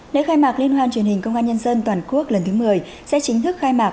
lễ khai mạc liên hoan truyền hình công an nhân dân toàn quốc lần thứ một mươi sẽ chính thức khai mạc